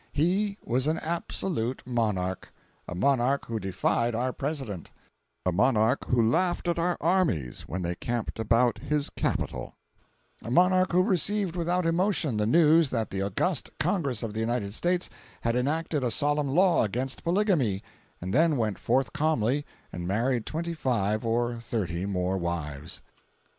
He was an absolute monarch—a monarch who defied our President—a monarch who laughed at our armies when they camped about his capital—a monarch who received without emotion the news that the august Congress of the United States had enacted a solemn law against polygamy, and then went forth calmly and married twenty five or thirty more wives.